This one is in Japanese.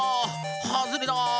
はずれだ！